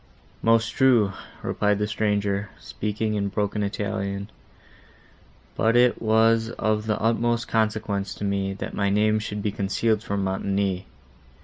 "Most true," replied the stranger, speaking in broken Italian, "but it was of the utmost consequence to me, that my name should be concealed from Montoni.